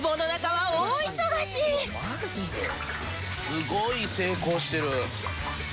すごい成功してる。